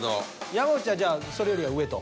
山内はじゃあそれよりは上と。